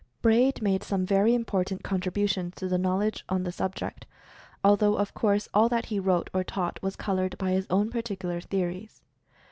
Braid made some very important con tributions to the knowledge on the subject, although, of course, all that he wrote or taught was colored by his own particular theories.